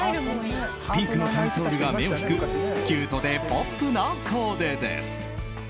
ピンクのキャミソールが目を引くキュートでポップなコーデです。